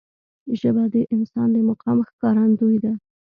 ژبه د انسان د مقام ښکارندوی ده